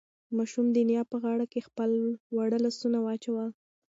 ماشوم د نیا په غاړه کې خپل واړه لاسونه واچول.